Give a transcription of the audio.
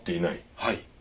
はい。